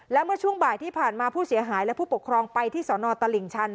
และเมื่อช่วงบ่ายที่ผ่านมาผู้เสียหายและผู้ปกครองไปที่สนตลิ่งชัน